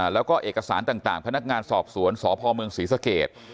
แล้วก็เอกสารต่างพนักงานสอบสวนสพเมืองศรีสเกต